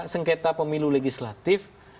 sengketa pemilu legislatif